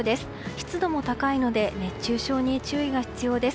湿度も高いので熱中症に注意が必要です。